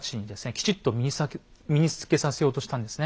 きちっと身につけさせようとしたんですね。